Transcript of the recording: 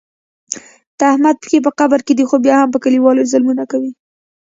د احمد پښې په قبر کې دي خو بیا هم په کلیوالو ظلمونه کوي.